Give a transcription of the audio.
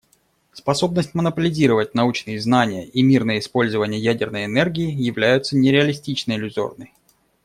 Способность монополизировать научные знания и мирное использование ядерной энергии является нереалистично иллюзорной.